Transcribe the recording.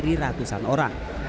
yang dihadiri ratusan orang